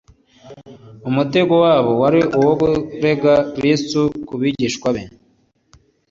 Umutego wabo wari uwo kurega Kristo ku bigishwa be,